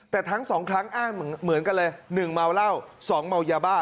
แต่ทั้งสองครั้งอ้างเหมือนกันเลย๑เมาเหล้า๒เมายาบ้า